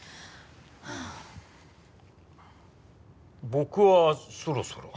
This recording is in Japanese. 僕はそろそろ。